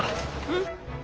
うん。